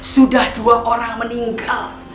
sudah dua orang meninggal